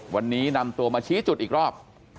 วันนี้นำตัวมาชี้จุดอีกรอบ